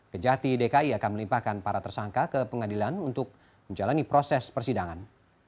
kejati dki akan melimpahkan para tersangka ke pengadilan untuk menjalani proses persidangan